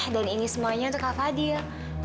dan ini semuanya untuk kak fadil